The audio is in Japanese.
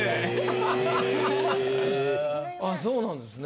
そうなんですね。